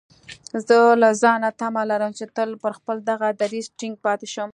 زه له ځانه تمه لرم چې تل پر خپل دغه دريځ ټينګ پاتې شم.